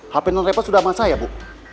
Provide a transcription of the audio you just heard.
hp nonrepa sudah sama saya bu